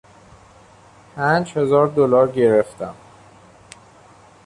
پنج هزار دلار گرفتم.